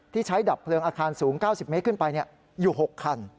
ใช้ดับเพลิงอาคารสูง๙๐เมตรขึ้นไปอยู่๖คัน